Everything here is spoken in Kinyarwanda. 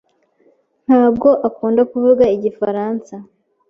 ntabwo akunda kuvuga igifaransa.